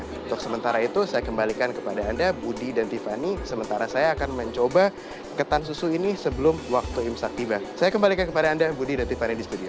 untuk sementara itu saya kembalikan kepada anda budi dan tiffany sementara saya akan mencoba ketan susu ini sebelum waktu imsak tiba saya kembalikan kepada anda budi dan tiffany di studio